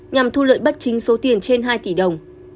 nhằm thu lợi bất chính số tiền trên hai tỷ đồng